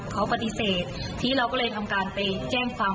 เขาปฏิเสธที่เราก็เลยทำการไปแจ้งความ